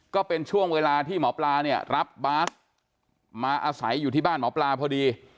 ก็เป็นช่วงเวลาที่หมอปลาเนี่ยรับบาสมาอาศัยอยู่ที่บ้านหมอปลาพอดี